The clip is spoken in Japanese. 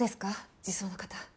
児相の方。